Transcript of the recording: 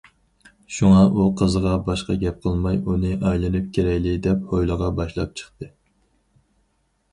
شۇڭا ئۇ قىزىغا باشقا گەپ قىلماي، ئۇنى ئايلىنىپ كېرەيلى، دەپ ھويلىغا باشلاپ چىقتى.